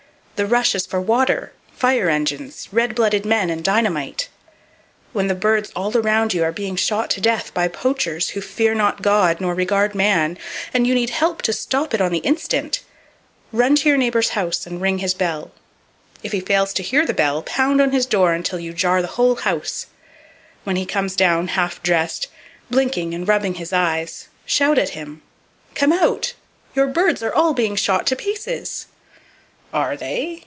The rush is for water, fire engines, red blooded men and dynamite. When the birds all around you are being shot to death by poachers who fear not God nor regard man, and you need help to stop it on the instant, run to your neighbor's house, and ring his bell. If he fails to hear the bell, pound on his door until you jar the whole house. [Page 259] When he comes down half dressed, blinking and rubbing his eyes, shout at him: "Come out! Your birds are all being shot to pieces!" "Are they?"